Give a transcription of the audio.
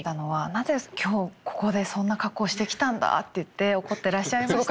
「なぜ今日ここでそんな格好をしてきたんだ！」って言って怒ってらっしゃいましたけど。